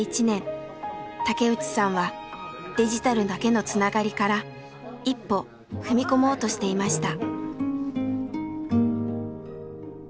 竹内さんはデジタルだけのつながりから一歩踏み込もうとしていました。